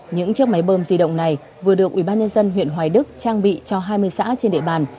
những chiếc máy bơm di động này vừa được ubnd huyện hoài đức trang bị cho hai mươi xã trên địa bàn